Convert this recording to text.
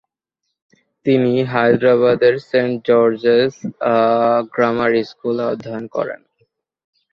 তিনি হায়দরাবাদের Saint George's Grammar স্কুলে অধ্যয়ন করেন।